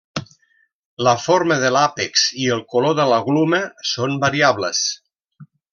La forma de l'àpex i el color de la gluma són variables.